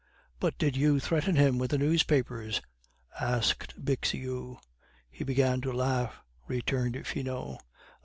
"But did you threaten him with the newspapers?" asked Bixiou. "He began to laugh," returned Finot.